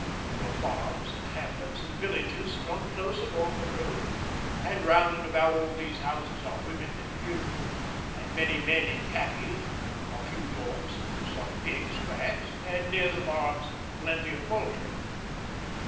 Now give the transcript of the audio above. There are farms and hamlets and villages strung close along the road, and round and about all these houses are women and children, and many men in khaki, a few dogs, some pigs perhaps, and near the farms plenty of poultry.